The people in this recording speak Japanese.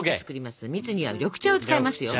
蜜には緑茶を使いますよ。